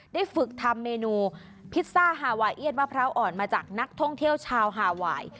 ได้ฝึกทำเมนูพิซซ่าฮาวาเอียดมะพร้าวอ่อนมาจากนักท่องเที่ยวชาวฮาวาย